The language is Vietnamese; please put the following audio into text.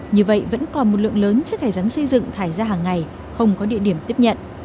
như vậy vẫn còn một lượng lớn chất thải rắn xây dựng thải ra hàng ngày không có địa điểm tiếp nhận